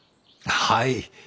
はい。